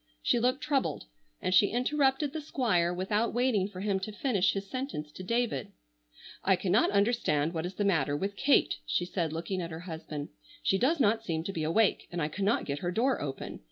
She looked troubled, and she interrupted the Squire without waiting for him to finish his sentence to David. "I cannot understand what is the matter with Kate," she said, looking at her husband. "She does not seem to be awake, and I cannot get her door open.